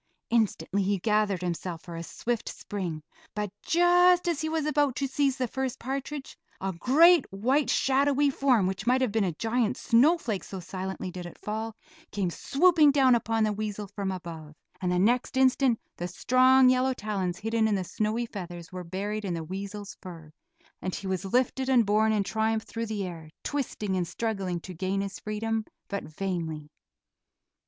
Instantly he gathered himself for a swift spring, but just as he was about to seize the first partridge, a great, white shadowy form, which might have been a giant snowflake, so silently did it fall, came swooping down upon the weasel from above, and the next instant the strong yellow talons hidden in the snowy feathers were buried in the weasel's fur, and he was lifted and borne in triumph through the air, twisting and struggling to gain his freedom, but vainly.